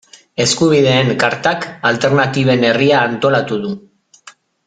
Eskubideen Kartak Alternatiben Herria antolatu du.